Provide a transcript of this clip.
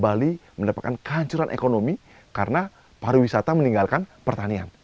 bali mendapatkan kehancuran ekonomi karena pariwisata meninggalkan pertanian